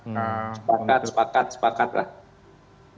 sepakat sepakat sepakat lah